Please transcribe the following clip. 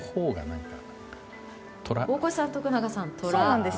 大越さん、徳永さんは寅と。